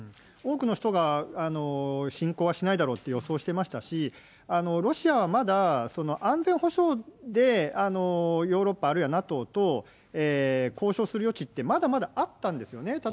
多くの人が、侵攻はしないだろうって予想してましたし、ロシアはまだ、安全保障で、ヨーロッパ、あるいはＮＡＴＯと交渉する余地ってまだまだあったんですよね。